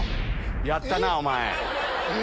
やったなおまえ。